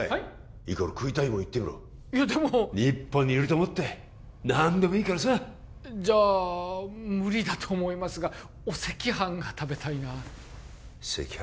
いいから食いたいもん言ってみろいやでも日本にいると思って何でもいいからさじゃあ無理だと思いますがお赤飯が食べたいな赤飯？